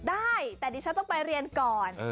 ได้แต่ดิฉันต้องไปเรียนก่อน